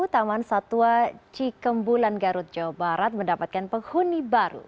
taman satwa cikembulan garut jawa barat mendapatkan penghuni baru